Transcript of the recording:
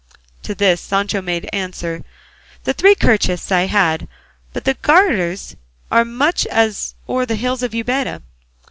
To this Sancho made answer, "The three kerchiefs I have; but the garters, as much as 'over the hills of Ubeda.